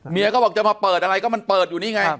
เขาบอกจะมาเปิดอะไรก็มันเปิดอยู่นี่ไง